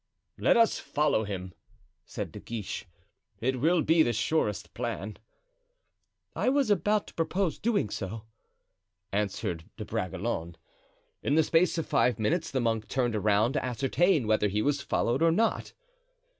"Let us follow him," said De Guiche; "it will be the surest plan." "I was about to propose so doing," answered De Bragelonne. In the space of five minutes the monk turned around to ascertain whether he was followed or not.